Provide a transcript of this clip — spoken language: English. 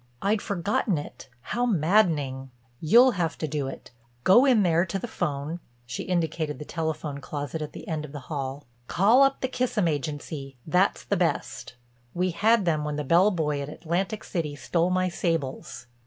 "I'd forgotten it. How maddening! You'll have to do it. Go in there to the 'phone"—she indicated the telephone closet at the end of the hall. "Call up the Kissam Agency—that's the best. We had them when the bell boy at Atlantic City stole my sables.